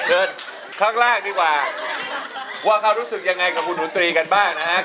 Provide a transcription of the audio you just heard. อะเชิญครั้งแรกดีกว่าว่าเขารู้สึกยังไงกับผู้หนูตรีกันบ้างนะฮะ